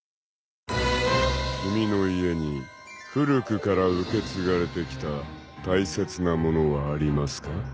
［君の家に古くから受け継がれてきた大切なものはありますか？］